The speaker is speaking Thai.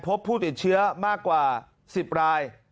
พบผู้ติดเชื้อมากกว่า๑๐ราย